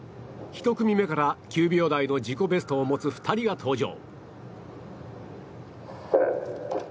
１組目から９秒台の自己ベストを持つ２人が登場。